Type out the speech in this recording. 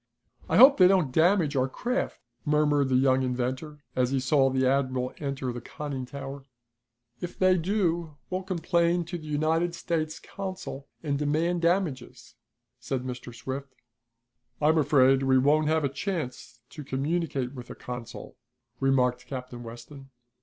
"I hope they don't damage our craft," murmured the young inventor, as he saw the admiral enter the conning tower. "If they do, we'll complain to the United States consul and demand damages," said Mr. Swift. "I'm afraid we won't have a chance to communicate with the consul," remarked Captain Weston.